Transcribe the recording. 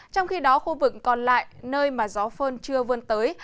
trong khi đó khu vực còn lại nơi mà gió phơn chưa vươn tới